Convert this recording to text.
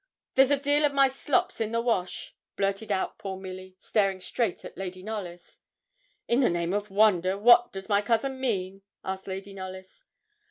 'There's a deal of my slops in the wash,' blurted out poor Milly, staring straight at Lady Knollys. 'In the name of wonder, what does my cousin mean?' asked Lady Knollys.